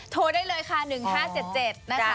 โทรได้เลยค่ะ๑๕๗๗นะคะ